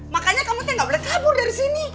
makanya kamu tuh gak boleh kabur dari sini